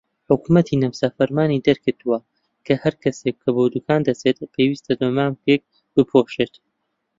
حکومەتی نەمسا فەرمانی دەرکردووە کە هەر کەسێک کە بۆ دوکان دەچێت پێویستە دەمامکێک بپۆشێت.